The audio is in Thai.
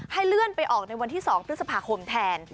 เลื่อนไปออกในวันที่๒พฤษภาคมแทน